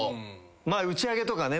打ち上げとかね